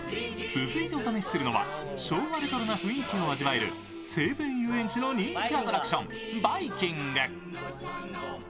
続いてお試しするのは昭和レトロな雰囲気を味わえる西武園ゆうえんちの人気アトラクション、バイキング。